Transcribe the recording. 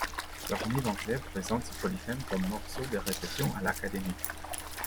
Corneille van Clève présente ce Polyphème comme morceau de réception à l'Académie.